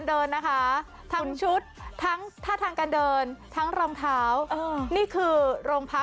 เพราะเลื่อนลงมาเท่านั้นแหละ